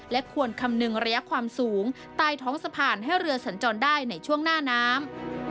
และควรคำนึงระยะความสูงใต้ท้องสะพานให้เรือสัญจรได้ในช่วงหน้าน้ำ